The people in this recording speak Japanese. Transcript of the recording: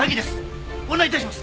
ご案内致します。